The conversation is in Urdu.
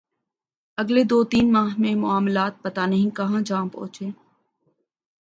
اگلے دو تین ماہ میں معاملات پتہ نہیں کہاں جا پہنچیں۔